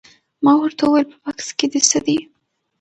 ما ورته وویل په بکس کې دې څه دي؟